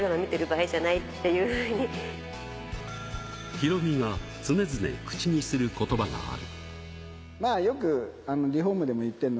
ヒロミが常々、口にする言葉がある。